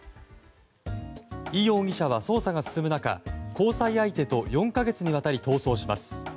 イ容疑者は捜査が進む中交際相手と４か月にわたり逃走します。